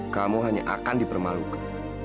kamu hanya akan dipermalukan